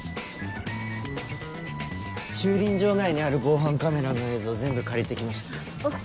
駐輪場内にある防犯カメラの映像全部借りて来ました。ＯＫ。